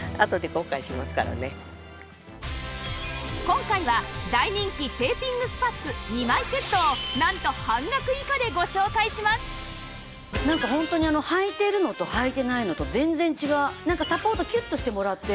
今回は大人気テーピングスパッツ２枚セットをなんと半額以下でご紹介しますなんかホントにはいているのとはいていないのと全然違う。